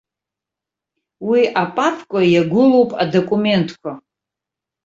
Уи апапка иагәылоуп адокументқәа.